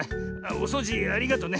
おそうじありがとうね。